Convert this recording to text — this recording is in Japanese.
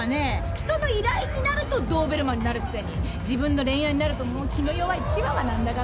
人の依頼になるとドーベルマンになるくせに自分の恋愛になるともう気の弱いチワワなんだからもう！